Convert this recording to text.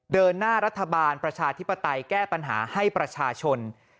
เดินหน้ารัฐบาลประชาธิปไตยแก้ปัญหาให้ประชาชน